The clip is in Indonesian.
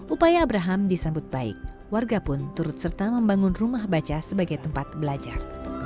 upaya abraham disambut baik warga pun turut serta membangun rumah baca sebagai tempat belajar